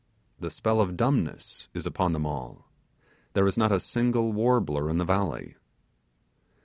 the spell of dumbness is upon them all there is not a single warbler in the valley!